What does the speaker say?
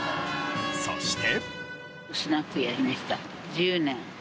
そして。